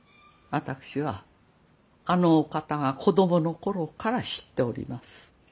私はあのお方が子供の頃から知っております。